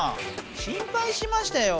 心配しましたよ。